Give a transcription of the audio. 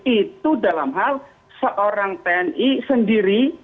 itu dalam hal seorang tni sendiri